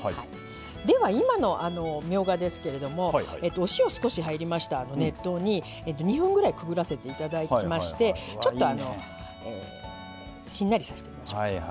では今のみょうがですけれどもお塩少し入りました熱湯に２分ぐらいくぐらせていただきましてちょっとしんなりさせてみましょうか。